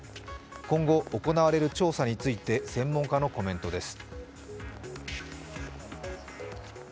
今後行われる調査について専門家のコメントです。